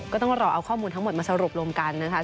ก็ต้องรอเอาข้อมูลทั้งหมดมาสรุปรวมกันนะคะ